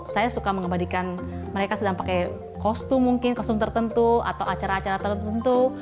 saya suka mengabadikan mereka sedang pakai kostum mungkin kostum tertentu atau acara acara tertentu